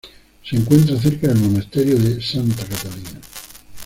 Se encuentra cerca del Monasterio de Santa Catalina.